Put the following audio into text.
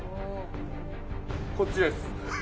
こっちです。